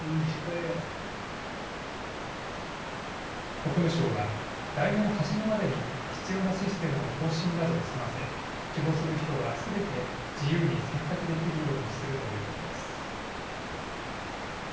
国務省は来年初めまでに必要なシステムの更新などを済ませ希望する人はすべて自由に選択できるようにするということです。